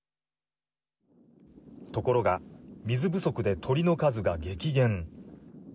ところが水不足で鳥の数が激減。